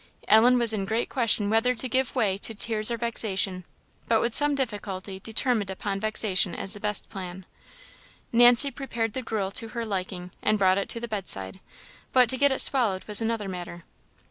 Ellen was in great question whether to give way to tears or vexation; but with some difficulty determined upon vexation as the best plan. Nancy prepared the gruel to her liking, and brought it to the bedside; but to get it swallowed was another matter.